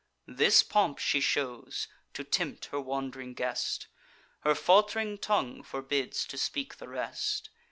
This pomp she shows, to tempt her wand'ring guest; Her falt'ring tongue forbids to speak the rest.